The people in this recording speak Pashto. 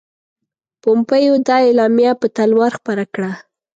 پومپیو دا اعلامیه په تلوار خپره کړه.